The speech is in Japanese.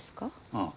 ああ。